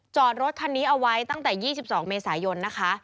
จอดรถคันนี้เอาไว้ตั้งแต่๒๒เมษายนนะคะ